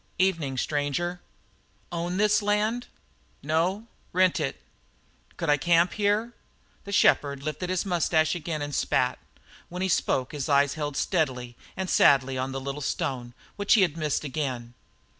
"Evening, stranger." "Own this land?" "No; rent it." "Could I camp here?" The shepherd lifted his moustache again and spat; when he spoke his eyes held steadily and sadly on the little stone, which he had missed again.